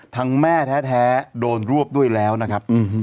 แม่แท้โดนรวบด้วยแล้วนะครับ